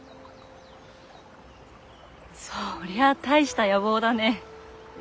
そりゃ大した野望だね。